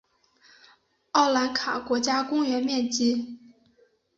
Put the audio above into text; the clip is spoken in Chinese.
奥兰卡国家公园面积。